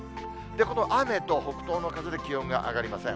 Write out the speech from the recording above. この雨と北東の風で、気温が上がりません。